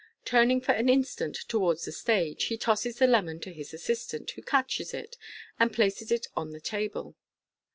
Turning for an instant towards the stage, he tosses the lemon to his assis tant, who catches it, and places it on the table.